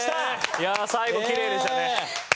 いやあ最後きれいでしたね。